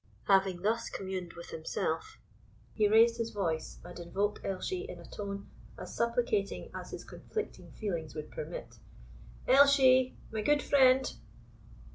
Having thus communed with himself, he raised his voice, and invoked Elshie in a tone as supplicating as his conflicting feelings would permit. "Elshie, my gude friend!"